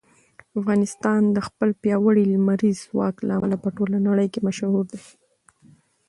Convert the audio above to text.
افغانستان د خپل پیاوړي لمریز ځواک له امله په ټوله نړۍ کې مشهور دی.